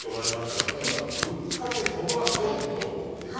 今回は、ぶっかけそば弁当。